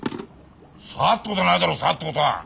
さあってことないだろさあってことは！